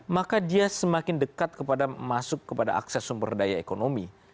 maka dia semakin dekat kepada masuk kepada akses sumber daya ekonomi